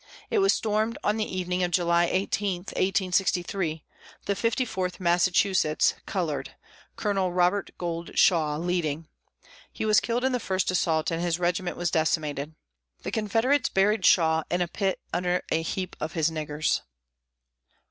It was stormed on the evening of July 18, 1863, the Fifty Fourth Massachusetts (colored), Colonel Robert Gould Shaw, leading. He was killed in the first assault and his regiment was decimated. The Confederates buried Shaw "in a pit under a heap of his niggers."